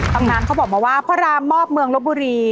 ตรงนั้นเขาบอกมาว่าพระรามมอบเมืองลบบุรี